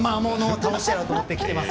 倒してやろうと思ってきています。